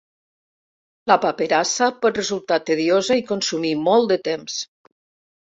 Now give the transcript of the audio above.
La paperassa pot resultar tediosa i consumir molt de temps.